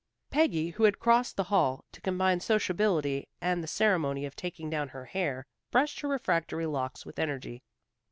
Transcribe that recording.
Peggy who had crossed the hall, to combine sociability with the ceremony of taking down her hair, brushed her refractory locks with energy.